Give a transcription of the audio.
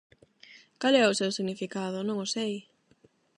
Cal é o seu significado? Non o sei!